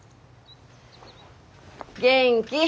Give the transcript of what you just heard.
元気？